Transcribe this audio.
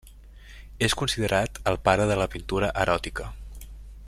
És considerat el pare de la pintura eròtica.